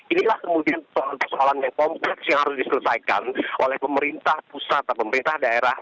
inilah kemudian persoalan persoalan yang kompleks yang harus diselesaikan oleh pemerintah pusat dan pemerintah daerah